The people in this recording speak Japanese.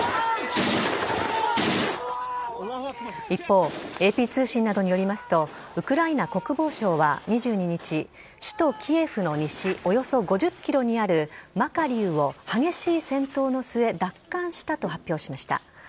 一方、ＡＰ通信などによりますと、ウクライナ国防省は２２日、首都キエフの西およそ５０キロにあるマカリウを激しい戦闘の末、奪還したと発表しました。